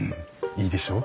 いいでしょう？